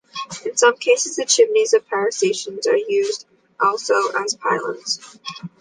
In some cases the chimneys of power stations are used also as pylons.